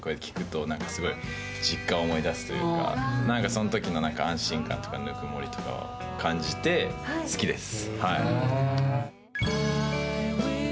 そのときの安心感とかぬくもりとかを感じて好きです。